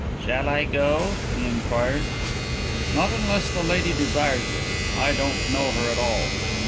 "Shall I go?" he inquired. "Not unless the lady desires it. I don't know her at all."